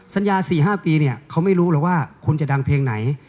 สัญญา๔๕ปีเนี่ยเขาไม่รู้หรอกว่าคุณจะดังเพลงไหน